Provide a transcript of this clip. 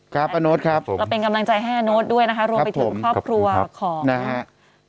ป้าโน๊ตครับผมเราเป็นกำลังใจให้อาโน๊ตด้วยนะคะรวมไปถึงครอบครัวของนะฮะ